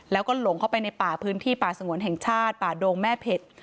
แล้วก็หลงเข้าไปในป่าพื้นที่ป่าสงวนแห่งชาติป่าดงแม่เผ็ด